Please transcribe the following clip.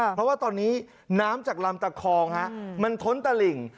เพราะว่าตอนนี้น้ำจากลำตะคองมันท้นตะหลิ่ง